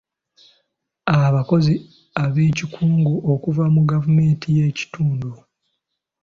Abakozi ab'Ekikugu okuva mu Gavumenti y'Ekitundu.